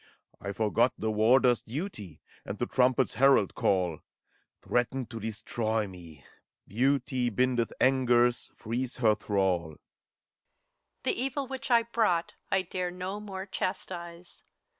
I forgot the warder's duty And the trumpet's herald call : Threaten to destroy me! Beauty Bindeth angers, frees her thrall. HELENA. The Evil which I brought, I dare no more Chastise.